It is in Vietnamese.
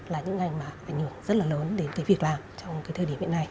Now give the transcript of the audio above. là những ngành mà ảnh hưởng rất là lớn đến việc làm trong thời điểm hiện nay